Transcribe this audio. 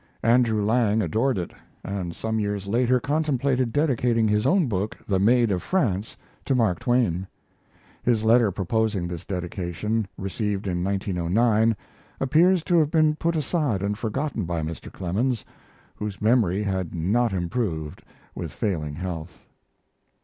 Andrew Lang adored it, and some years later contemplated dedicating his own book, 'The Maid of France', to Mark Twain.' [His letter proposing this dedication, received in 1909, appears to have been put aside and forgotten by Mr. Clemens, whose memory had not improved with failing health.